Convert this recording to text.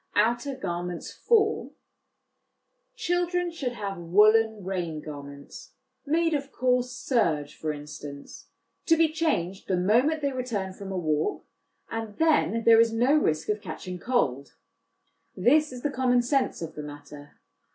Outer Garments for. Children should have woollen rain garments made of coarse serge, for instance, to be changed the moment they return from a walk, and then there is no risk of catching cold. This is the common sense of the matter.